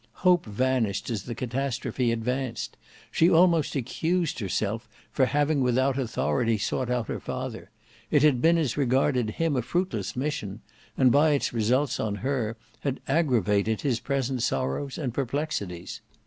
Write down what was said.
Hope vanished as the catastrophe advanced. She almost accused herself for having without authority sought out her father; it had been as regarded him a fruitless mission, and, by its results on her, had aggravated his present sorrows and perplexities.